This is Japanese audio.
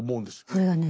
それがね